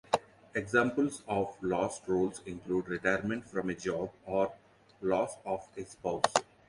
Examples of lost roles include retirement from a job or loss of a spouse.